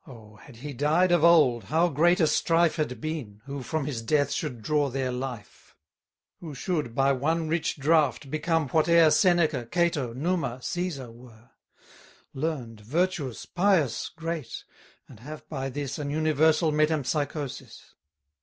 Oh! had he died of old, how great a strife Had been, who from his death should draw their life! Who should, by one rich draught, become whate'er Seneca, Cato, Numa, Cæsar, were, 70 Learn'd, virtuous, pious, great; and have by this An universal metempsychosis!